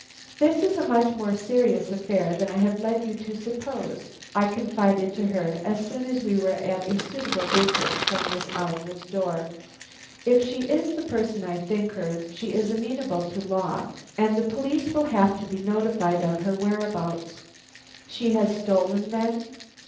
"This is a much more serious affair than I have led you to suppose," I confided to her as soon as we were at a suitable distance from Miss Oliver's door. "If she is the person I think her, she is amenable to law, and the police will have to be notified of her whereabouts." "She has stolen, then?"